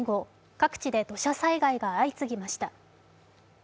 各地で土砂災害が相次ぎました。